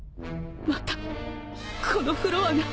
またこのフロアが。